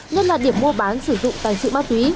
nhất là điểm mua bán sử dụng tài sự ma túy